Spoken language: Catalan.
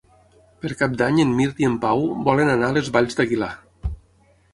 Per Cap d'Any en Mirt i en Pau volen anar a les Valls d'Aguilar.